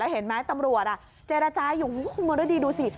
แล้วเห็นไหมตำรวจเจรจายอยู่โอ้โหมรดีดูสิ